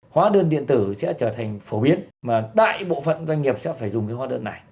hóa đơn điện tử sẽ trở thành phổ biến mà đại bộ phận doanh nghiệp sẽ phải dùng cái hóa đơn này